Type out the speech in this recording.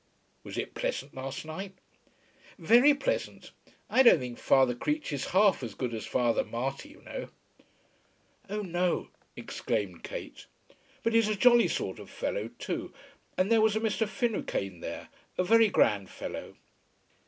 "Was it pleasant last night?" "Very pleasant. I don't think Father Creech is half as good as Father Marty, you know." "Oh no," exclaimed Kate. "But he's a jolly sort of fellow, too. And there was a Mr. Finucane there, a very grand fellow."